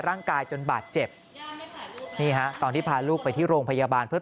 ร่างกายจนบาดเจ็บนี่ฮะตอนที่พาลูกไปที่โรงพยาบาลเพื่อ